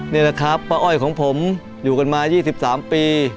นี่แหละครับป้าอ้อยของผมอยู่กันมา๒๓ปี